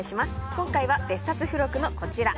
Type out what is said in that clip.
今回は別冊付録のこちら。